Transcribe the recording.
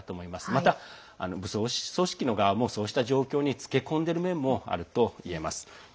また、武装組織の側もそうした面につけ込んでいるともいえます。